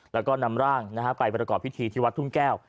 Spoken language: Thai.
แล้วก็นำร่างไปประกอบพิธีที่วัดทุ่งแก้ว